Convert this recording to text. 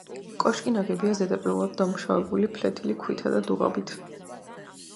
კოშკი ნაგებია ზედაპირულად დამუშავებული ფლეთილი ქვითა და დუღაბით.